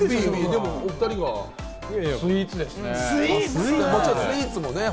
でもお２人はスイーツです。